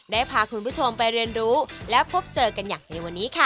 ได้พาคุณผู้ชมไปเรียนรู้และพบเจอกันอย่างในวันนี้ค่ะ